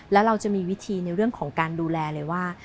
แล้วเราจะมีวิธีในเรื่องของการดูแลเลยว่า